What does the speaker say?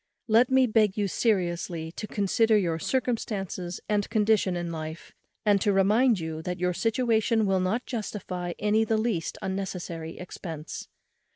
Let me beg you seriously to consider your circumstances and condition in life, and to remember that your situation will not justify any the least unnecessary expence.